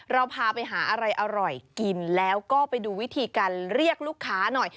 เราพาไปหาอะไรอร่อยกินแล้วก็ไปดูวิธีการเรียกลูกค้าหน่อย